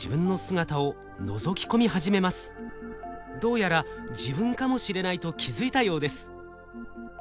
どうやら自分かもしれないと気付いたようです。